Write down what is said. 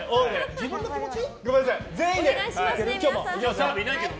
自分の気持ち？